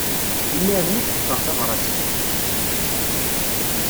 Imir-nni i d-ṭṭfeɣ tabrat-ik.